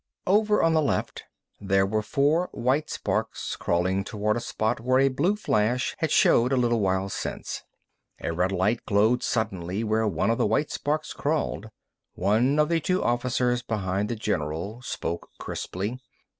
Over at the left, there were four white sparks crawling toward a spot where a blue flash had showed a little while since. A red light glowed suddenly where one of the white sparks crawled. One of the two officers behind the general spoke crisply.